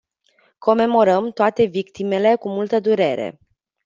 Comemorăm toate victimele cu multă durere.